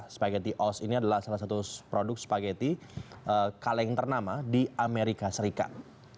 spageti os ini adalah salah satu produk spaghetti kaleng ternama di amerika serikat